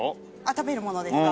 食べるものですか？